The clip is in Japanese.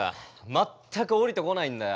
全く降りてこないんだよ。